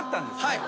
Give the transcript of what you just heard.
はい。